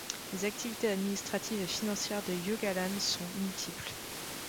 Les activités administratives et financières de Hugh Allan sont multiples.